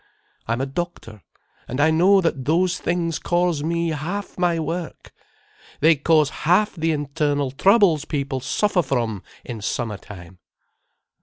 I'm a doctor. And I know that those things cause me half my work. They cause half the internal troubles people suffer from in summertime."